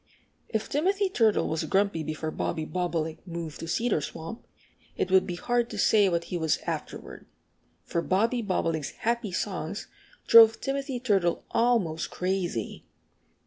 If Timothy Turtle was grumpy before Bobby Bobolink moved to Cedar Swamp, it would be hard to say what he was afterward. For Bobby Bobolink's happy songs drove Timothy Turtle almost crazy.